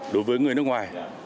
đối với người nước ngoài